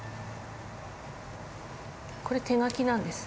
これ手書きなんです。